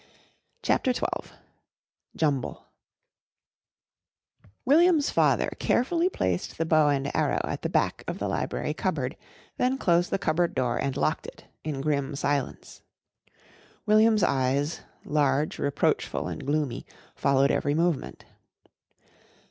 CHAPTER XII "JUMBLE" William's father carefully placed the bow and arrow at the back of the library cupboard, then closed the cupboard door and locked it in grim silence. William's eyes, large, reproachful, and gloomy, followed every movement.